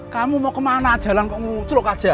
kamu mau kemana jalan kamu tuluk aja